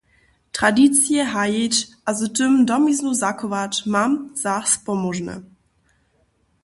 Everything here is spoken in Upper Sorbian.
Tradicije hajić a z tym domiznu zachować mam za spomóžne.